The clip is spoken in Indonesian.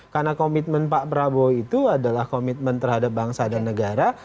karena komitmen pak prabowo itu adalah komitmen terhadap bangsa dan negara